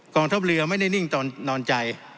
กองทับเหลือไม่ได้นิ่งตอนนอนใจ